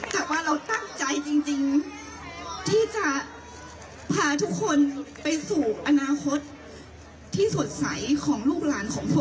แต่ว่าเราตั้งใจจริงที่จะพาทุกคนไปสู่อนาคตที่สดใสของลูกหลานของพ่อ